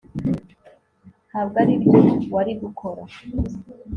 ntabwo aribyo wari gukora